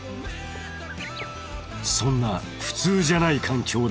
［そんな普通じゃない環境で育った剛は］